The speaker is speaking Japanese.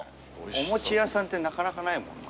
お餅屋さんってなかなかないもんな。